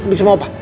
duduk sama opah